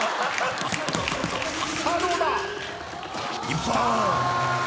さあどうだ⁉きた！